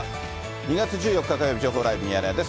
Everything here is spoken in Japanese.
２月１４日火曜日、情報ライブミヤネ屋です。